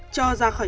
cho ra khỏi